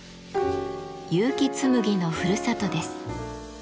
結城紬のふるさとです。